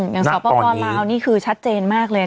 อย่างสอปปลาวนี่คือชัดเจนมากเลย